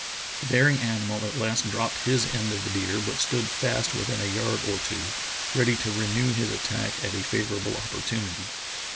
The daring animal at last dropped his end of the deer, but stood fast within a yard or two, ready to renew his attack at a favor able opportunity.